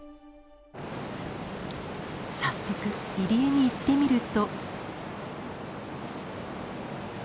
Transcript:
早速入り江に行ってみると。